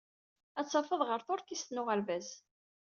Ad tadef ɣer tuṛkist n uɣerbaz.